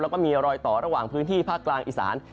แล้วก็มีรอยต่อระหว่างพื้นที่ภาคกลางอีสาน